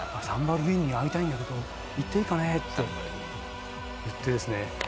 「サンバルギーニに会いたいんだけど行っていいかね？」っていってですね